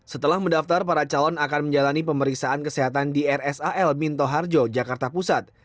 setelah mendaftar para calon akan menjalani pemeriksaan kesehatan di rsal minto harjo jakarta pusat